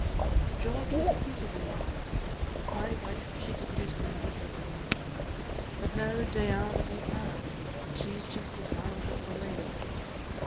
George was a peaceable man, My wife she did doucely behave; But now dae a' that I can, She 's just as wild as the lave.